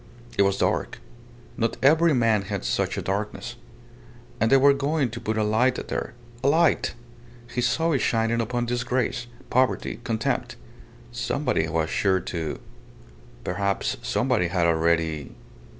It was dark. Not every man had such a darkness. And they were going to put a light there. A light! He saw it shining upon disgrace, poverty, contempt. Somebody was sure to. ... Perhaps somebody had already.